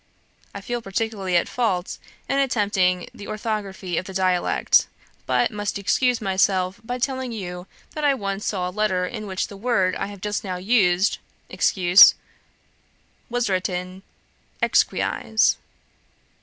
I feel particularly at fault in attempting the orthography of the dialect, but must excuse myself by telling you that I once saw a letter in which the word I have just now used (excuse) was written 'ecksqueaize!'